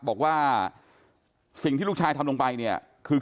บอกว่าสิ่งที่ลูกชายทำลงไปเนี่ยคือ